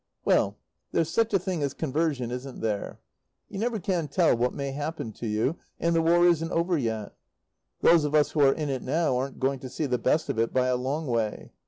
Well there's such a thing as conversion, isn't there? You never can tell what may happen to you, and the War isn't over yet. Those of us who are in it now aren't going to see the best of it by a long way.